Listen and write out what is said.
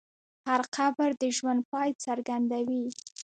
هر قبر د ژوند پای څرګندوي.